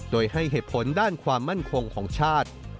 โดยให้เหตุผลด้านความมั่นคงของชาติ